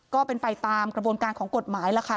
ก็เป็นไปตามกระบวนการของกฎหมายล่ะค่ะ